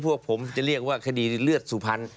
พวกผมจะเรียกว่าคดีเลือดสุพรรณ